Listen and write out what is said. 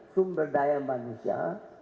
sumber daya manusia